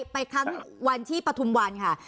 ไปครั้งวันที่ปฐุมวันค่ะ